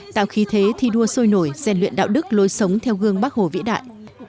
tạo khí thế thi đua sôi nổi gian luyện đạo đức lối sống theo gương bắc hồ vĩ đại